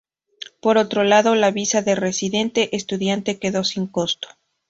Por otro lado, la visa de residente estudiante quedó sin costo.